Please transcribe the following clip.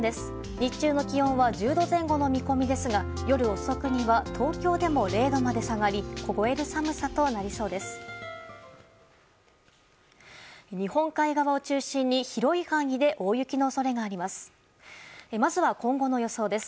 日中の気温は１０度前後の見込みですが夜遅くには東京でも０度まで下がり凍える寒さとなりそうです。